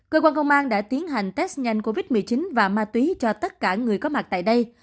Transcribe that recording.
cơ quan công an đã tiến hành test nhanh covid một mươi chín và ma túy cho tất cả người có mặt tại đây